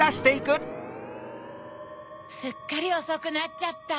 すっかりおそくなっちゃった。